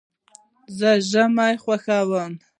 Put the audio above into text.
زه ژمی خوښوم.